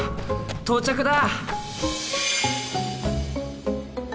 到着だ！